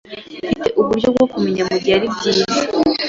Mfite uburyo bwo kumenya 'mugihe ari byiza